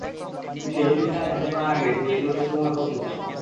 সেই জটিল কাজ হাতে নেওয়ার আগে তিনি এগুলোর সুরাহা করতে চান।